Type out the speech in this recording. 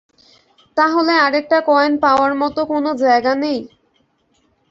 তাহলে আরেকটা কয়েন পাওয়ার মতো কোনো জায়গা নেই?